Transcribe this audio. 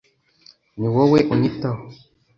ni wowe unyitaho